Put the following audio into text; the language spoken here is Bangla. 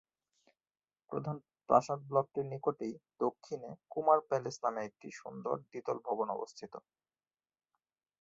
প্রধান প্রাসাদ ব্লকটির নিকটেই দক্ষিণে ‘কুমার প্যালেস’ নামে একটি সুন্দর দ্বিতল ভবন অবস্থিত।